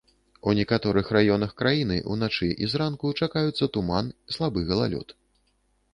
У некаторых раёнах краіны ўначы і зранку чакаюцца туман, слабы галалёд.